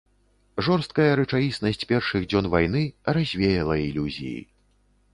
Жорсткая рэчаіснасць першых дзён вайны развеяла ілюзіі.